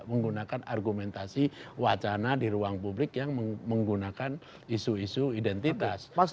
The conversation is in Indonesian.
menggunakan argumentasi wacana di ruang publik yang menggunakan isu isu identitas